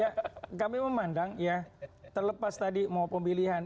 ya kami memandang ya terlepas tadi mau pemilihan